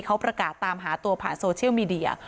เขาประกาศตามหาตัวผ่านโซเชียลมีเดีย